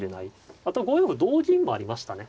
あとは５四歩同銀もありましたね。